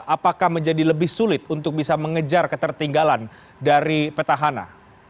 apakah menjadi lebih sulit untuk bisa mengejar ketertinggalan dari petahana